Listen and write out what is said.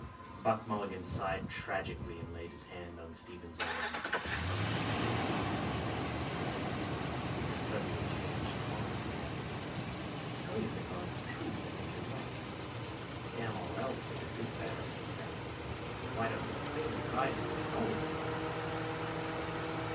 Buck Mulligan sighed tragically and laid his hand on Stephen's arm. —From me, Kinch, he said. In a suddenly changed tone he added: —To tell you the God's truth I think you're right. Damn all else they are good for. Why don't you play them as I do? To hell with them all.